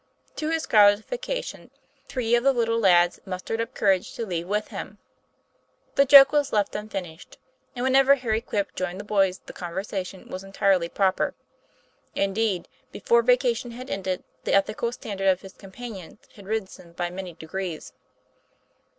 To his gratification, three of the little lads mus tered up courage to leave with him. The joke was left unfinished, and whenever Harry Quip joined the boys the conversation was entirely proper. Indeed, before vacation had ended, the ethical standard of his companions had risen by many degrees.